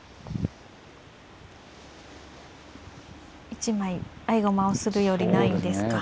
一枚合駒をするよりないんですか。